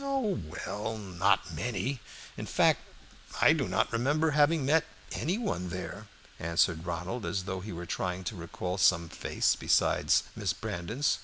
"Oh, well, not many. In fact I do not remember to have met any one there," answered Ronald, as though he were trying to recall some face besides Miss Brandon's.